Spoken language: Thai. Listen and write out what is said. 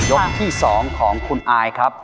ยกที่สองของคุณอายครับ